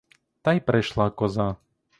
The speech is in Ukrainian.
Та й прийшла коза.